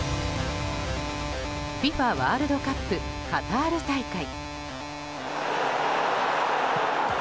ＦＩＦＡワールドカップカタール大会。